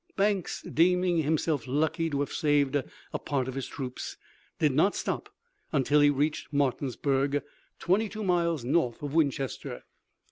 Banks, deeming himself lucky to have saved a part of his troops, did not stop until he reached Martinsburg, twenty two miles north of Winchester.